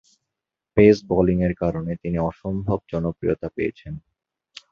Pace বোলিংয়ের কারণে তিনি অসম্ভব জনপ্রিয়তা পেয়েছেন।